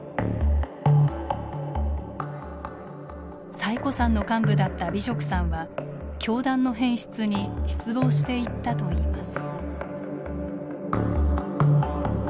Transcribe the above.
最古参の幹部だった美植さんは教団の変質に失望していったといいます。